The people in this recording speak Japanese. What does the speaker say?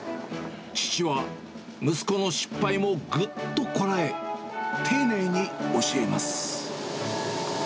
父は息子の失敗もぐっとこらえ、丁寧に教えます。